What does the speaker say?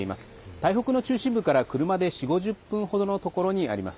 台北の中心部から車で４０５０分程のところにあります。